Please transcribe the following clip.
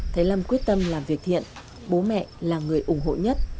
thấy lâm quyết tâm làm việc thiện bố mẹ là người ủng hộ nhất